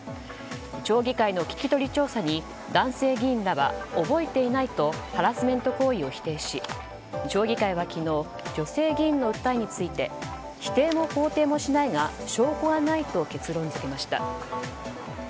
町議会の聞き取り調査に男性議員らは覚えていないとハラスメント行為を否定し町議会は昨日女性議員の訴えについて否定も肯定もしないが証拠がないと結論付けました。